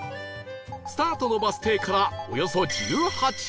スタートのバス停からおよそ１８キロ